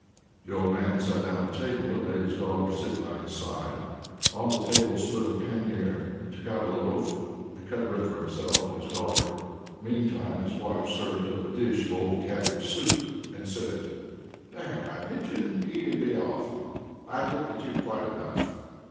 The old man sat down to table, and made his daughter sit by his side. On the table stood a pannier; he took out a loaf, and cut bread for himself and his daughter. Meantime his wife served up a dish of old cabbage soup, and said: "There, my pigeon, eat and be off; I've looked at you quite enough!